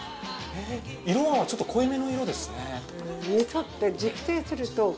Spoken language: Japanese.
色はちょっと濃い目の色ですね。